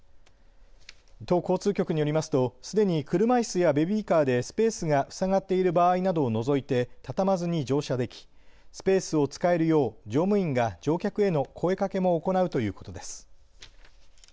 都交通局によりますとすでに車いすやベビーカーでスペースが塞がっている場合などを除いて畳まずに乗車できスペースを使えるよう乗務員が乗客への声かけも行うということです。